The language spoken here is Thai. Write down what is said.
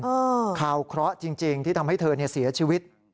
เออคาวเคราะห์จริงที่ทำให้เธอเสียชีวิต